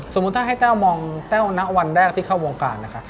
สมมุติถ้าให้แต้วมองแต้วณวันแรกที่เข้าวงการนะคะ